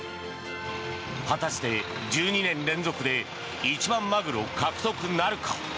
果たして、１２年連続で一番マグロ獲得なるか。